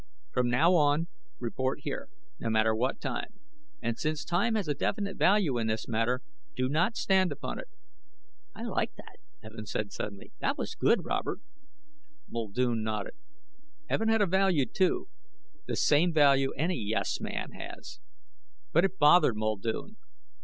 From now on report here, no matter what time. And, since time has a definite value in this matter, do not stand upon it." "I like that," Evin said, suddenly. "That was good, Robert." Muldoon nodded. Evin had a value, too. The same value any yes man has. But it bothered Muldoon.